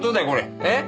これ。